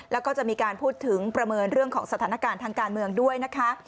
แล้วก็จะมีการพูดถึงประเมินเรื่องของสถานการณ์ทางการเมืองด้วยนะคะ